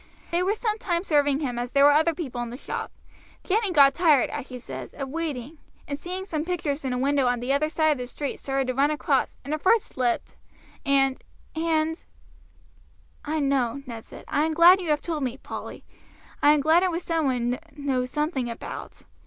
They were some time serving him as there were other people in the shop. Jenny got tired, as she says, of waiting, and seeing some pictures in a window on the other side of the street started to run across, and her foot slipped, and and " "I know," Ned said. "I am glad you have told me, Polly. I am glad it was some one one knows something about.